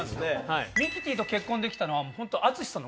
ミキティと結婚できたのはホント。